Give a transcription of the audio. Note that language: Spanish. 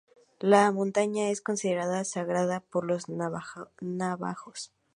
La montaña es considerada sagrada por los navajos.